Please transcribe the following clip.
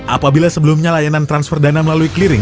apabila sebelumnya layanan transfer dana melalui clearing